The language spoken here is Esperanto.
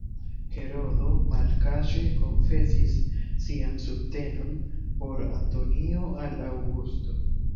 Herodo malkaŝe konfesis sian subtenon por Antonio al Aŭgusto.